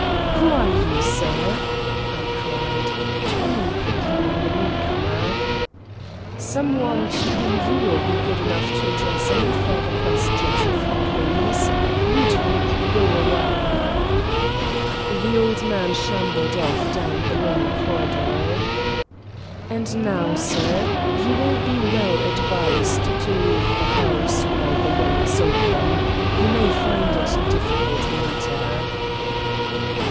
"Who are you, sir?" I cried, turning quickly on the newcomer. "Some one to whom you will be good enough to address any further questions, if you please. Ludwig, go away." The old man shambled off down the long corridor. "And now, sir, you will be well advised to leave the house while the way is open. You may find it difficult later."